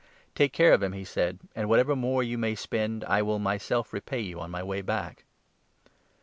'Take care of him,' he said, 'and whatever more you may spend I will myself repay you on my way back.'